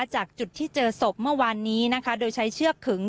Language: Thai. จากจุดที่เจอศพเมื่อวานนี้นะคะโดยใช้เชือกขึง